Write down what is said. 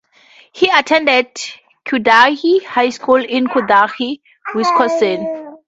He attended Cudahy High School in Cudahy, Wisconsin.